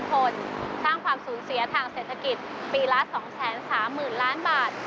คนสร้างความสูญเสียทางเศรษฐกิจปีละ๒๓๐๐๐ล้านบาท